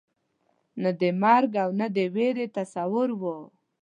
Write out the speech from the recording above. نه د مرګ او نه د وېرې تصور وو.